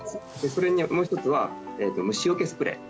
それにもう一つは虫よけスプレー